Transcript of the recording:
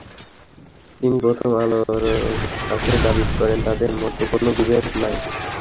তিনি প্রথম আলোর কাছে দাবি করেন, তাঁদের মধ্যে কোনো বিভেদ নেই।